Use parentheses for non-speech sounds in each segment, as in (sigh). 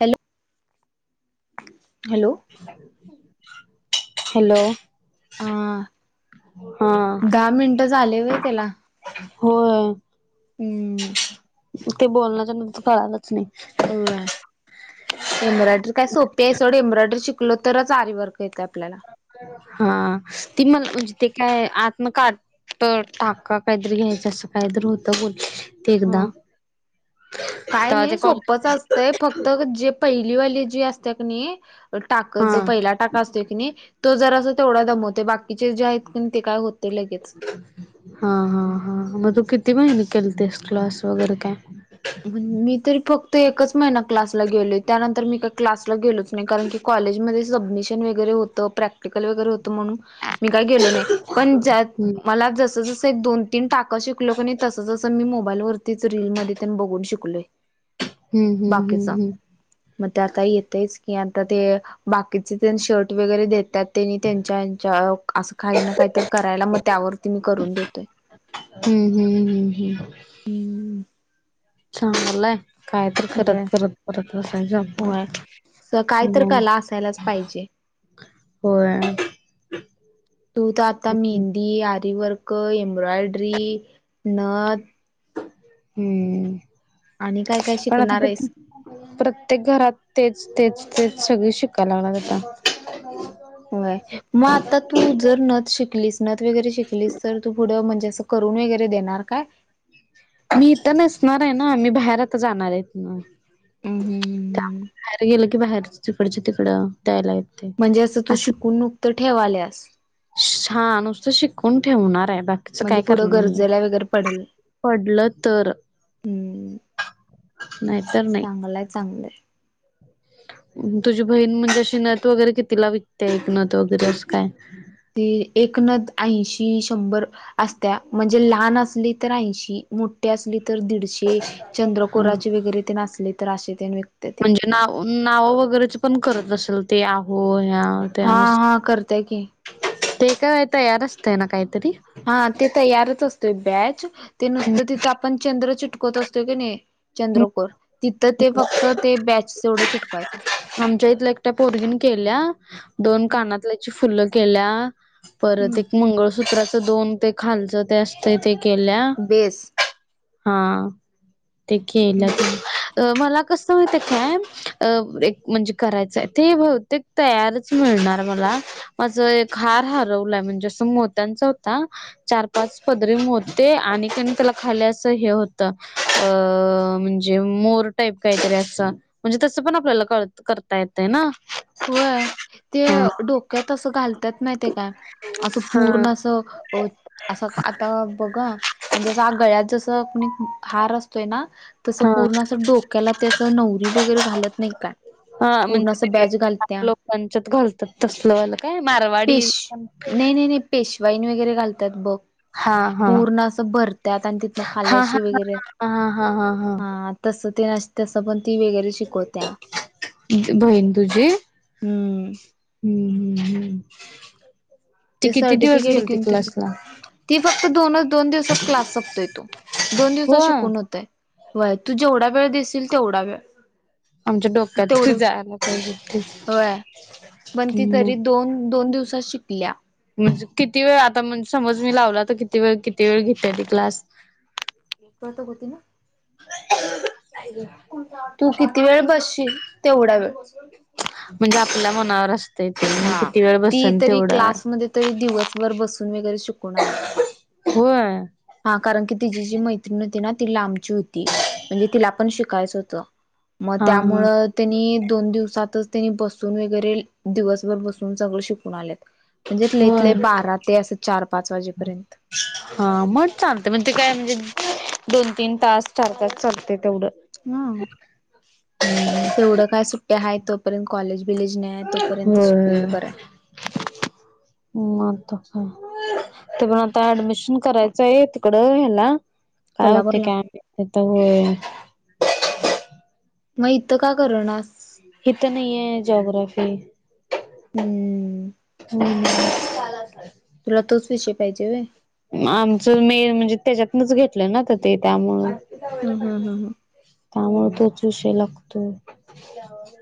Hello. Hello. Hello. हा हा दहा मिनिट झाले व्हय त्याला होय हम्म ते बोलन्याच्या नंतर कळलाच नाही. हो (unintelligible) एम्ब्रॉयडरी काय सोपी ये सोढ एमब्रॉडरी शिकल तरच आरी वर्क येत आपल्याला हा ती मला म्हणजे ते काय आतन काढ तर टाका काहीतरी घ्यायच असं काहीतरी होतं बोल एकदा ह तर ते कॉल ते फक्त जे पहिलीवाली जी असते क नाई टाक हा जो पहिला टाका असतोय की नाही तो जरा थोडा दमवते बाकीचे जे आहेत की नई ते काय होते लगेच हा-हा-हा मग तू किती महिने केलतेस क्लास वगैरे काय? मी तरी फक्त एकच महिना क्लासला गेले त्यानंतर मी काही क्लासला गेलोच नाही कारण की कॉलेजमध्ये सबमिशन वैगरे होत प्रॅक्टिकल वगैरे होत म्हणून मी काही गेलो नाही पण ज्यात हम्म मला जसे जसे दोन तिन टाक शिकलो कनी तस तस मी मोबाईल वरतीच रील मध्येतेन बघून शिकलोय. हम्म हम्म बाकीचा. हम्म म ते आता येतेच की आता ते बाकीचे शर्ट वगैरे देतात. त्यांनी त्यांच्या याच्या असं काही ना काहीतर करायला म त्यावरती मी करून देतोय. हम्म हम्म हम्म हम्म. चांगलाय काय तर होय करत करत परत बसायचं. स काय तर हम्म कला असायलाच पाहिजे. होय. तू तर आता मेहंदी, आरी, वर्क, एम्ब्रॉयड्री, नथ हम्म आणि काय काय पण आता शिकणार आहेस? प्रत्येक घरात तेच तेच तेच सगळी शिकायला लागल्यात आता व्हय म आता तू जर नथ शिकलीस नथ वगैरे शिकलीस तर तू पुढं म्हणजे अस करून वगरे देणार काय? मी इथं नसणाराय ना आ मी बाहेर आत जाणाराय इथन हम्म हम्म हम्म. बाहेर गेल की बाहेर तिकडच्या तिकडं द्यायला येत. म्हणजे असं तू शिकून नुकत ठेवाल्यास हा नुसतं शिकून ठेवणाराय बा म्हणजे पुढं गरजेला वगरे पडल पडलं तर हम्म. नाहीतर ना चांगलाय चांगलाय तुझी बहीण म्हणजे अशी नथ वगैरे कितीला विकते एक नत वगैरे असं काय? ते एक न ऐंशी शंभर भर असत्या म्हणजे लहान असली तर ऐंशी मोठी असली तर दीडशे हा चंद्रकोराची वगैरे तेन आसली तर अशे तेन विकत्यात. म्हणजे नाव नावं वगरेचे पण करत असेल ते आहो ह्या त्या हा हा करत्या की ते काय तयार असतय ना कायतरी हा ते तयारच असतोय बॅच ते नुसतं तिथं आपण चंद्र चिटकवत असतो कीनी चंद्रकोर तिथं ते फक्त ते बॅच तेवढं चिटकावायचं असत. आमच्या इथल्या एकट्या पोरगीने केल्या दोन कानातल्याची फुलं केल्या परत हम्म एक मंगळसूत्राचं दोन ते खालचं ते असते ते केल्या बेस हा ते केल्या (unintelligible) अ मला कसं होतंय (unintelligible) म्हणजे करायचाय ते बहुतेक तयारच मिळणार मला माझं एक हार हरवलाय म्हणजे असं मोत्यांचा होता. चार पाच पदरी मोते आणि त्याला खाल्ली असं हे होतं अं म्ह जे मोर टाईप कायतरी असा म्हणजे तस पण आपल्याला करता येत ना. होय ते हा डोक क्यात असं घालतात माहितीयात काय असं हा पूर्ण असं असं आता बघा म्हणजे अस गळ्यात जसं कुणी हार असतोय ना तसं हा पूर्ण अस डोक्याला ते नवरी वगरे घालत नाइ काय पूर्ण असं बॅज घाल च लोकांच्यात घालतात तसल वालं काय? मारवाडी. पेश नाही नाही नाही पेशवाईन वगैरे घालतात बघ. हा हा पूर्ण असं भरत्यात आणि तिथन खाली हा हा हा अशी वगैरे. हा हा हा हा हा. तसं ते ना तसं पण ती वेगळीच बहीण तुझी? हम्म हम्म हम्म हम्. ते सर्टिफिकेट गेल ती घेऊन तर क्लासला ती फक्त दोनच दोन दिवसात क्लास संपतोय तो. दोन हो दिवसात शिकून होतय. होय. तू जेवढा वेळ दिसील तेवढा वेळ. आमच्या डोक्यात तेवढं जायला पाहिजे ते. व्हय पण ती तरी मग दोन दोन दिवसात शिकल्या. म्हणजे किती वेळ? आता समज मी लावला तर किती वेळ किती वेळ घेत्या ती क्लास? (unintelligible) तू किती वेळ बसशील तेवढा वेळ. म्हणजे आपल्या मनावरच हा. ती तरी क्लासमध्ये तरी दिवसभर बसून वगैरे शिकून आल्या. होय. हा कारण की तिची जी मैत्रिण होती ना ती लांबची होती, म्हणजे तिला पण शिकायचं होतं. मग हा हा त्यामुळं त्यांनी दोन दिवसातच त्यांनी बसून वगैरे दिवसभर बसून सगळ शिकून आल्यात. म्हणजे लईत् लई होय बारा ते असं चार पाच वाजेपर्यंत. हा. मग चालत म्हण ते काय म्हणजे दोन तीन तास चार तास चालतंय तेवढं. हम. तेवढं काय सुट्ट्या आहे तोपर्यंत कॉलेज बिलेज नाही. आहे तोपर्यंत होय. शिकलेलं बरं (inaudible) म आत्ता काय? तो म्हणालता ऍडमिशन करायचं आहे तिकडं. ह्याला काय होते कोल्हापूरला काय माहित तिथं. होय. मग इथं का करनास? इथं नाही आहे जॉग्रफी. हम्म हम्म. तुला तोच विषय पाहिजे होय? आमचं मे म्हणजे त्याच्यातनच घेतलं ना तर ते त्यामुळे. हम्म हम्म हम्म त्यामुळ तोच विषय लागतोय.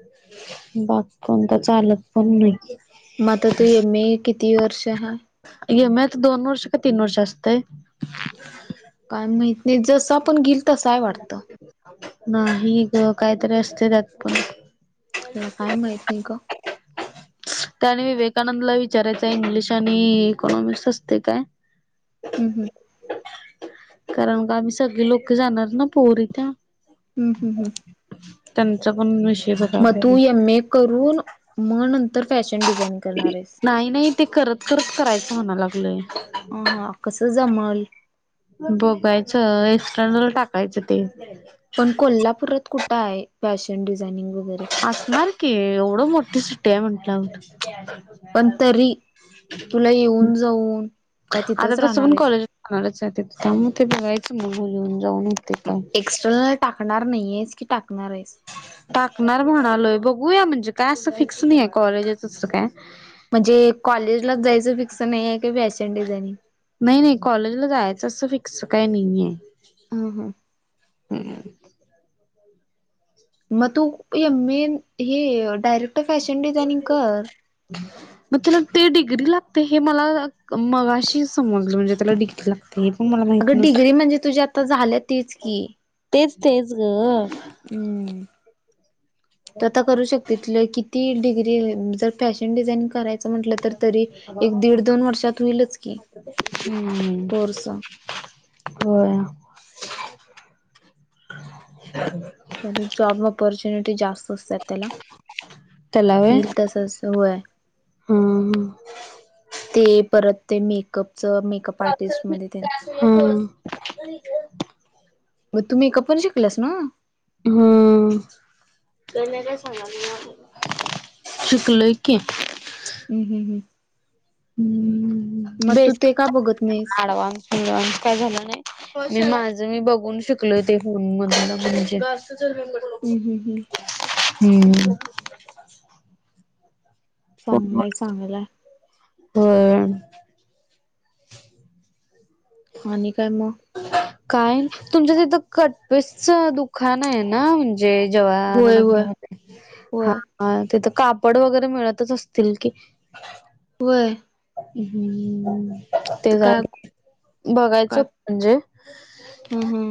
(unintelligible) कोणता चालत पण नाही. मग आता तू एम ए किती वर्ष हाय? एम ऐ आत्ता दोन वर्ष का तीन वर्ष असतंय? काय माहत नाही. जसं आपण घेईल तसंय वाटतं. नाही ग. काहीतरी असते त्यात पण. मला काय माहित नाही ग. त्यानी विवेकानंदला विचारायचंय, इंग्लिश आणि इकॉनॉमिक्स असते काय? हम् हम. कारण का आम्ही सगळे लोक जाणार ना पोरी त्या. हम् हम् हम. त्यांचा पण विष म तू एम ए करून मग नंतर फॅशन डिझाइनिंग नाही नाही ते करत करत करायचं म्हणा लागलय ह हा कसं जमल बघायचं एक्सटरनल टाकायचं ते पण कोल्हापुरात कुठंय फॅशन डिझायनिंग वगैरे? असणार की एवढं मोठ सिटी आहे म्हंटल्यावर पण तरी तुला येऊन जाऊन का तिथंच राहणार आहेस? हालच ते त त्या मग ते बघायचं मग येऊन जाऊन काय. एक्स्टर्नल टाकणार नाहीेस की टाकणार आहेस? टाकणार म्हणालोय बघूया म्हणजे काय असं फिक्स नाही आहे कॉलेजच असं काय म्हणजे कॉलेजलाच जायचं फिक्सर नाही आहे कि फॅशन डिझायनिंग? नाही नाही कॉलेजला जायचं असं फिक्स काही नाहीेये हमम हम. म तू एम एम ए हे डायरेक्टर फॅशन डिझायनिंग कर (inaudible) मग त्याला ते डिग्री लागते हे मला मघाशी समजलं म्हणजे त्याला डिग्री लागते. ते पण मला माहित अगं नव्हतं. डिग्री म्हणजे तुझ्या आता झाल्या तेच की तेच तेच ग हमम तो आता करू शक तिथलं किती डिग्री जर फॅशन डिझाइनिंग करायच अस म्हंटलं तर तरी एक दीड दोन वर्षात होईलच की हम्म कोर्स होय. (inaudible) (inaudible) त्याने जॉब ऑपॉर्च्युनिटी जास्त असतात त्याला त्याला व्हय येल हा तस व्हय ते परत ते मेकअपच मेकअप हा. आर्टिस्ट मध्ये ते हम्म. मग तुम्ही मेकअप शिकलास ना हमम. शिकलोय की हम हम हम. हम्म तू बेस ते का बघत नाहीस ॲडव्हान्स काय झालं नाही मी माझं मी बघून शिकलो ते फोन मधून म्हणजे (unintelligible) हम हम हम. हमम. चांगलंय चांगलंय. होय. आणि काय मग? काय तुमच्या त तिथं कटपिसच दुकान आहे ना म्ह जय होय जवार्ण होय मधे हा होय हा तिथे कापड वगैरे मिळतच असतील की. व्हय.. हम् ते झाल काय बघायचं काय होत म्हणजे हम् -हम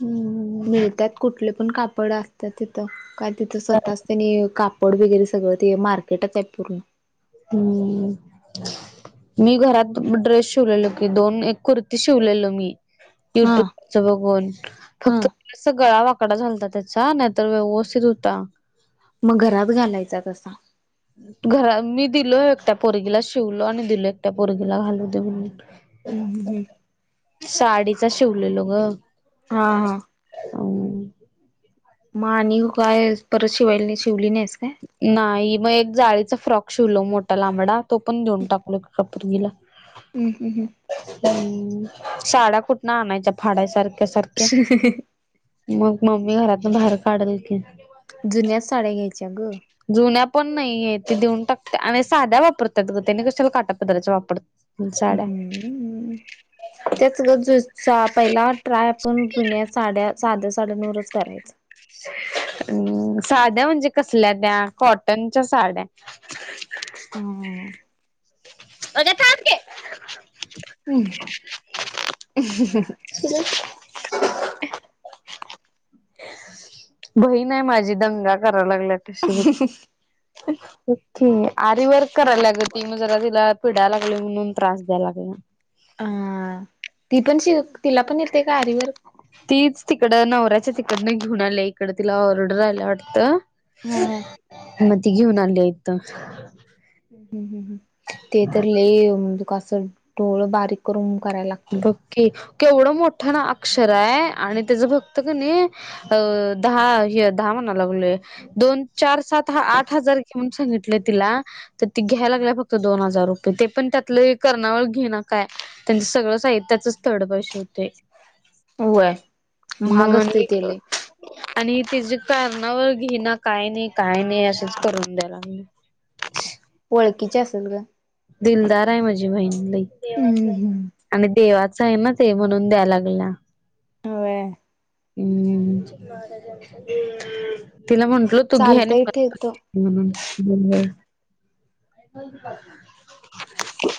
हम्म मिळतात. कुठले पण कापड असत तर तिथ काय तिथ स्वतः तेनी कापड वगैरे सगळ ते मार्केटच आहे पूर्ण. हम मी घरात ड्रेस शिवलेलो की दोन एक कुर्ती शिवलेलो मी. हा युट्यूब त्या बघून हा फक्त गळा वाकडा झालता त्याचा नाही तर व्यवस्थित होता. मग घरात घालायचा तसा. घरा मी दिलो एकट्या पोरगीला शिवलो आणि दिलो एकट्या पोरगीला घालू देऊन. हम्म हम्म हम्म. साडीचा शिवलेलो ग. हा हा हम मग आणि काय परत शिवायला नेली. शिवली नाहीस काय. नाही मग एक जाळीचा फ्रॉक शिवलो. मोठा लांबडा. तो पण देेऊन टाकलो एका पोरीला. हम्म हम्म हम्म. हम्म. साड्या कुठन आणायच्या फड्यासारख्या सारख्या मग मम्मी घरातून बाहेर काढल की, जुन्या च साड्या घ्यायच्या ग, जुन्या पण नाहीय. ते देऊन टाकत आणि साध्या वापरतात ग त्यानी कशाला काटा पदराा वापरत हम् त्याच ग पहिला ट्राय आपण जुन्या साड्या साध्या साड्यांवरच करायच. अम् साड्या म्हणजे कसल्या त्या कॉटनच्या साड्या. हम् हम् (inaudible) बहीण आहे माझी दंगा कराया लागल्या. तशी होती ओके आरी वर्क करायला लाग त मग जरा तिला पिडाय लागली म्हणून त्रास द्यायला लागला. अ ती पण श. तिला पण येते का आरीवर्क. तीच तिकड नवऱ्याच्या तिकडन घेऊन आली इकड. तिला ऑर्डर आला वाटत. हा हा म ती घेऊन आले इथ. ह्् ते तर (unintelligible) डोळ बारीक करून करायला लागत. बक्की, केवढं मोठ ना अक्षर आहे आणि त्याच फक्त कि, नाही अ दहा दहा म्हणा लागलोय दोन चार सात हा आठ हजार घ सांगितलं तिला तर ती घ्यायला लागल्या फक्त दोन हजार रुपये, ते पण त्यातल कर्णावळ घे ना काय त्यांच सगळ साहित्याच स्थड बाही शिवते. होय. महाग असते आणि लय. आणि तच्या कारणावर घेना काय नाही काय नाही असच करून द्यायला आम्ही ओळखीचे असेल ग. दिलदार आहे माझी बहिणला हम्म लय हम्म आणि देवा आहे ना ते म्हणून द्याय लागला. होय हम्म. तिला म्हटल तू घ्या आणि चालतय ठेवतो. म हम् ब